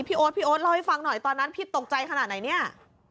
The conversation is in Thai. โอ๊ตพี่โอ๊ตเล่าให้ฟังหน่อยตอนนั้นพี่ตกใจขนาดไหนเนี่ย